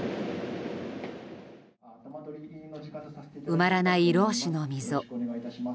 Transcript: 埋まらない労使の溝。